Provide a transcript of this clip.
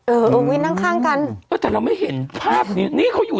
เออวินนั่งข้างข้างกันเออแต่เราไม่เห็นภาพนี้นี่เขาอยู่